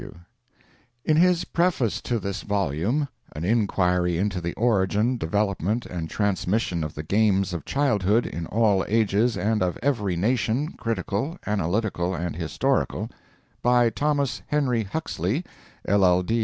B.W. In his preface to this volume ["An Inquiry into the Origin, Development, and Transmission of the Games of Childhood, in all Ages and of every Nation, Critical, Analytical, and Historical." By Thomas Henry Huxley, L.